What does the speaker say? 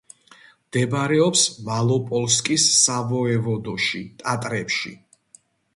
მდებარეობს მალოპოლსკის სავოევოდოში, ტატრებში.